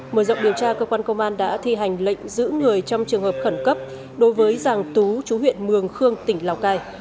mở rộng điều tra cơ quan công an đã thi hành lệnh giữ người trong trường hợp khẩn cấp đối với giàng tú chú huyện mường khương tỉnh lào cai